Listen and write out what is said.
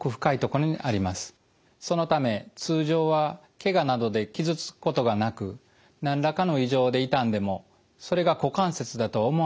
そのため通常はけがなどで傷つくことがなく何らかの異常で痛んでもそれが股関節だとは思わないんです。